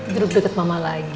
duduk deket mama lagi